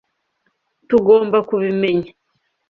Tugomba kubimenya.